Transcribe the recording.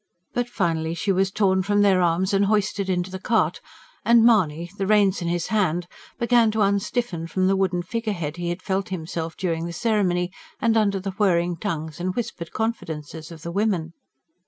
But finally she was torn from their arms and hoisted into the cart; and Mahony, the reins in his hand, began to unstiffen from the wooden figure head he had felt himself during the ceremony, and under the whirring tongues and whispered confidences of the women.